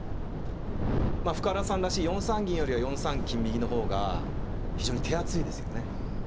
まあ深浦さんらしい４三銀よりは４三金右の方が非常に手厚いですよね。